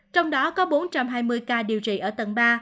trong đó có bốn trăm hai mươi ca điều trị ở tầng ba